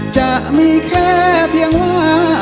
จะมีแค่เพียงว่า